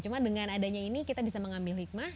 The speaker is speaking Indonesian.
cuma dengan adanya ini kita bisa mengambil hikmah